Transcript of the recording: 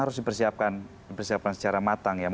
harus dipersiapkan secara matang